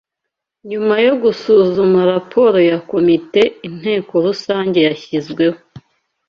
Nyuma yo gusuzuma raporo ya komite Inteko rusange yashyizweho